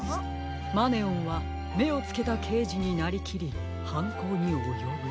「マネオンはめをつけたけいじになりきりはんこうにおよぶ」。